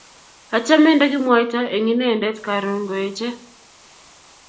Achame ndakimwaitoo eng inendet karon ngoeche